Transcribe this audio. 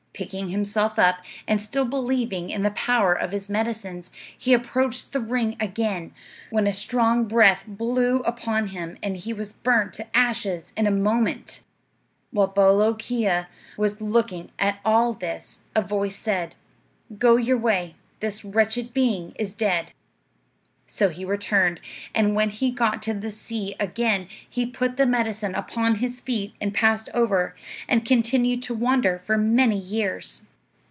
"Picking himself up, and still believing in the power of his medicines, he approached the ring again, when a strong breath blew upon him and he was burnt to ashes in a moment. "While Bolookeea was looking at all this, a voice said, 'Go your way; this wretched being is dead.' So he returned; and when he got to the sea again he put the medicine upon his feet and passed over, and continued to wander for many years.